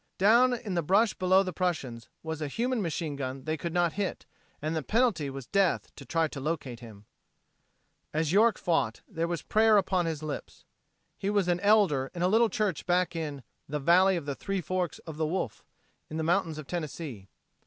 Down in the brush below the Prussians was a human machine gun they could not hit, and the penalty was death to try to locate him. As York fought, there was prayer upon his lips. He was an elder in a little church back in the "Valley of the Three Forks o' the Wolf" in the mountains of Tennessee.